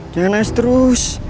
jangan nangis terus